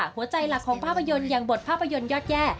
หัวใจหลักของภาพยนตร์อย่างบทภาพยนตร์ยอดแย่